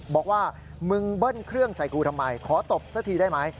บอกว่ามึงเบิ้ลเครื่องใส่กูทำไมขอตบซะทีได้ไหม